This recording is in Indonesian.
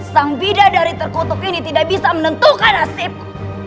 sang bida dari terkutuk ini tidak bisa menentukan nasibku